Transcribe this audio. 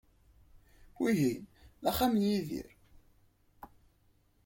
Wihin d axxam n Yidir.